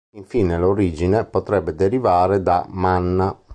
Infine l'origine potrebbe derivare da “manna”.